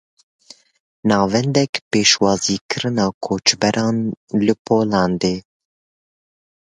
Navendek pêşwazîkirina koçberan li Polandê.